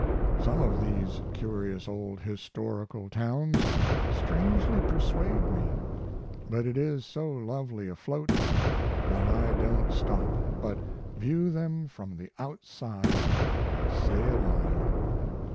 Some of these curious old historical towns strangely persuade me, but it is so lovely afloat that I don't stop, but view them from the outside and sail on.